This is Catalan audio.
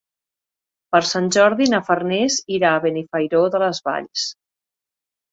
Per Sant Jordi na Farners irà a Benifairó de les Valls.